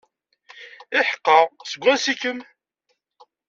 Iḥeqqa, seg wansi-kem?